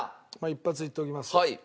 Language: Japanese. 一発いっておきますね。